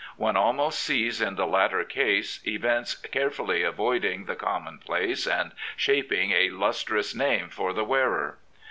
One almost sees in the latter case events carefully avoiding the common* place and shaping a lustrous name for the wearer.